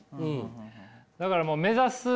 だからもう目指すもの